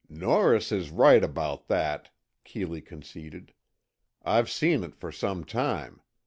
"Norris is right about that," Keeley conceded. "I've seen it for some time.